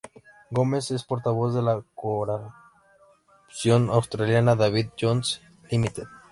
Gomes es portavoz de la corporación australiana David Jones Limited.